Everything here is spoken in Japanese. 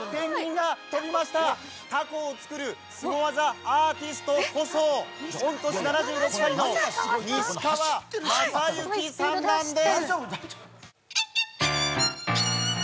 このスゴ技アーティストこそ御年７６歳の西川正之さんなんです。